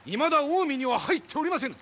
近江には入っておりませぬ。